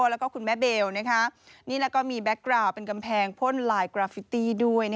แล้วก็คุณแม่เบลนี่แล้วก็มีแก๊กกราวเป็นกำแพงพ่นลายกราฟิตี้ด้วย